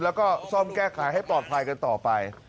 แล้วก็ซ่อมแก้ไขให้ปลอดภัยกันต่อไป